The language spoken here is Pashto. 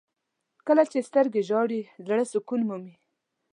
• کله چې سترګې ژاړي، زړه سکون مومي.